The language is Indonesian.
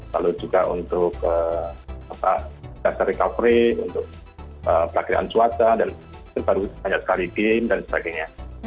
lalu juga untuk tasari kaukri untuk perakiran cuaca dan kita baru banyak sekali game dan sebagainya